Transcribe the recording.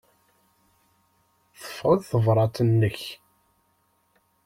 Ḍḍfeɣ-d tabṛat-nnek.